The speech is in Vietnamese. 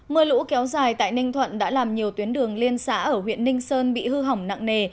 mưa lũ kéo dài tại ninh thuận đã làm nhiều tuyến đường liên xã ở huyện ninh sơn bị hư hỏng nặng nề